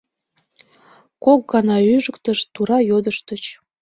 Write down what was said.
Кок гана ӱжыктышт, тура йодыштыч...